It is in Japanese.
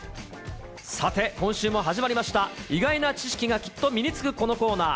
さて、今週も始まりました、意外な知識がきっと身につくこのコーナー。